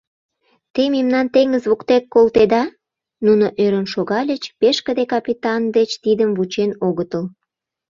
— Те мемнам теҥыз воктек колтеда?.. — нуно ӧрын шогальыч, пешкыде капитан деч тидым вучен огытыл.